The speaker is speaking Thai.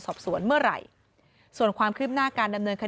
สอบสวนเมื่อไหร่ส่วนความคลิบหน้าการนำเนินคดี